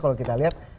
kalau kita lihat